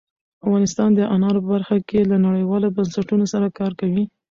افغانستان د انارو په برخه کې له نړیوالو بنسټونو سره کار کوي.